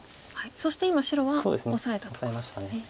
そして今白はオサえたところですね。